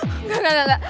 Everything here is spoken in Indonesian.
enggak enggak enggak